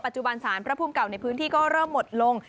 จุบันสารพระภูมิเก่าในพื้นที่ก็เริ่มหมดลง